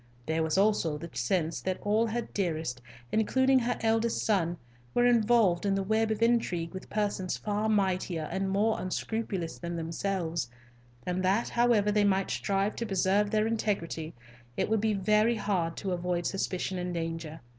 There was also the sense that all her dearest, including her eldest son, were involved in the web of intrigue with persons far mightier and more unscrupulous than themselves; and that, however they might strive to preserve their integrity, it would be very hard to avoid suspicion and danger.